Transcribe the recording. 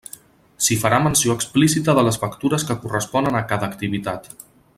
S'hi farà menció explícita de les factures que corresponen a cada activitat.